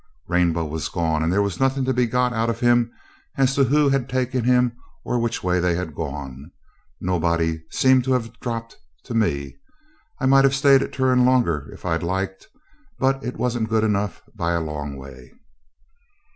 Rainbow was gone, and there was nothing to be got out of him as to who had taken him or which way he had gone. Nobody seemed to have 'dropped' to me. I might have stayed at Turon longer if I'd liked. But it wasn't good enough by a long way.